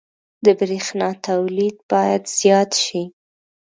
• د برېښنا تولید باید زیات شي.